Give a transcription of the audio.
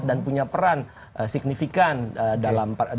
dan punya peran signifikan dalam peran